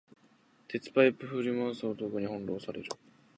鉄パイプ振り回す男に翻弄される